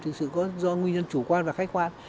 thì sự có do nguyên nhân chủ quan và khách quan